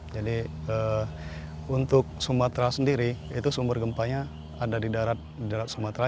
jadi untuk sumatera sendiri itu sumber gempanya ada di darat sumatera